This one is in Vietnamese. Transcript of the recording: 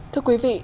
thưa quý vị